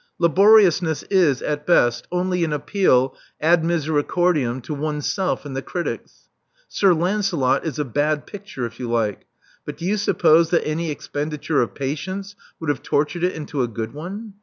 Laboriousness is, at best, only an appeal ad miseracordiam to oneself and the critics. *Sir Lancelot' is a bad picture, if you like; but do you suppose that any expenditure of patience would have tortured it into a good one?